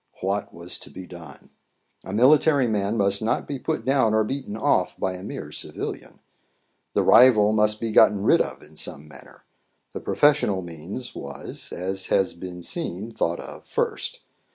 What was to be done? A military man must not be put down or beaten off by a mere civilian. The rival must be gotten rid of in some manner; the professional means was, as has been seen thought of first.